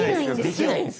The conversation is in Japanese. できないんですよ。